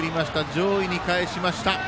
上位に返しました。